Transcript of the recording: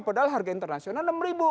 padahal harga internasional enam